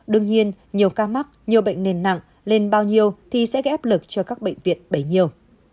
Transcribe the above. đương nhiên nhiều ca mắc nhiều bệnh nền nặng lên bao nhiêu thì sẽ gây áp lực cho các bệnh viện bấy nhiêu